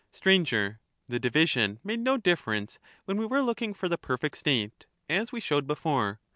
Str. The division made no difference when we were looking for the perfect State, as we showed before.